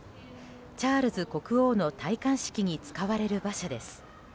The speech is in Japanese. チャールズ国王の戴冠式に使われる馬車です。